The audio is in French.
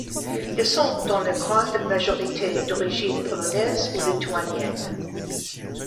Ils sont dans leur grande majorité d'origine polonaise ou lituanienne.